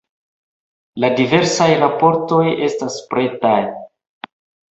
La diversaj raportoj estas pretaj!